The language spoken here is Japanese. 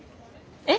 えっ？